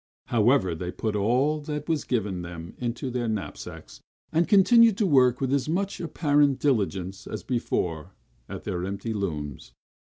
However, they put all that was given them into their knapsacks; and continued to work with as much apparent diligence as before at their empty looms.